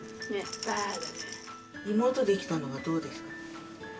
妹出来たのはどうですか？